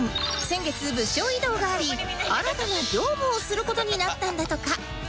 先月部署異動があり新たな業務をする事になったんだとか